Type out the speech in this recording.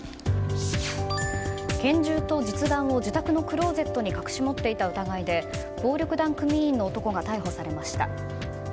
拳銃と実弾を自宅のクローゼットに隠し持っていた疑いで暴力団組員の男が逮捕されました。